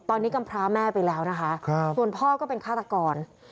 ตอนนี้กำพร้าแม่ไปแล้วนะคะส่วนพ่อก็เป็นฆาตกร